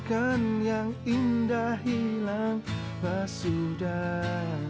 dan yang indah hilanglah sudah